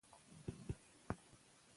د منصبونو څخه د عزل فرمانونه صادر کړي ؤ